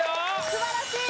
素晴らしい！